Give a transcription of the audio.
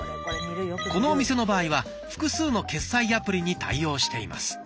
このお店の場合は複数の決済アプリに対応しています。